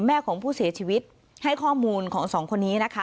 แม่ของผู้เสียชีวิตให้ข้อมูลของสองคนนี้นะคะ